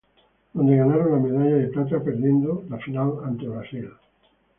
Donde ganaron la medalla de plata perdiendo la final ante Brasil.